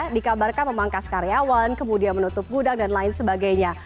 dikabarkan memangkas karyawan kemudian menutup gudang dan lain sebagainya